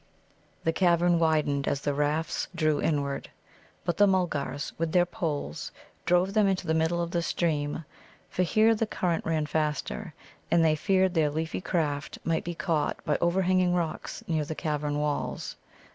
The cavern widened as the rafts drew inward. But the Mulgars with their poles drove them into the middle of the stream, for here the current ran faster, and they feared their leafy craft might be caught by overhanging rocks near the cavern walls.